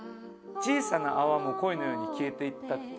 「小さなアワも恋のように消えていった」